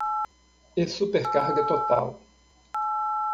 E super carga total